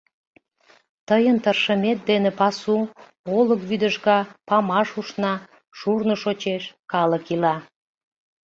Тыйын тыршымет дене пасу, олык вӱдыжга, памаш ушна, шурно шочеш — калык ила.